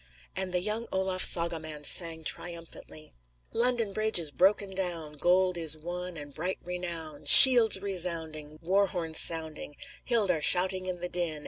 And the young Olaf's saga man sang triumphantly: "London Bridge is broken down Gold is won and bright renown. Shields resounding, War horns sounding, Hildar shouting in the din!